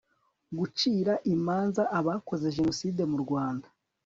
gucira imanza abakoze jenoside mu rwanda